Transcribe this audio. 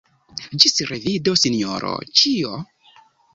Ĝis revido, Sinjoro Ĉiol!